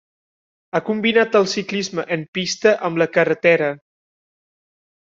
Ha combinat el ciclisme en pista amb la carretera.